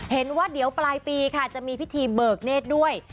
เห็นว่าเดี๋ยวปลายปีค่ะจะมีพิธีเบิกเนธด้วย